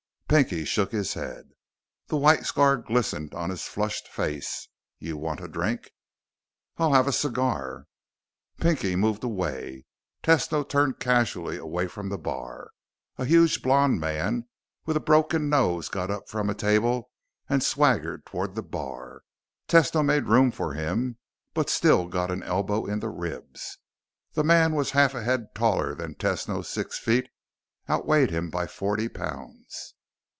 Pinky shook his head. The white scar glistened on his flushed face. "You want a drink?" "I'll have a cigar." Pinky moved away. Tesno turned casually away from the bar. A huge blond man with a broken nose got up from a table and swaggered toward the bar. Tesno made room for him but still got an elbow in the ribs. The man was half a head taller than Tesno's six feet, outweighed him by forty pounds.